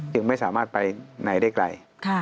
จึงไม่สามารถไปไหนได้ไกล